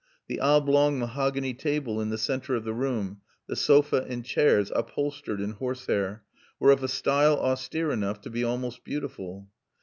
The oblong mahogany table in the center of the room, the sofa and chairs, upholstered in horsehair, were of a style austere enough to be almost beautiful.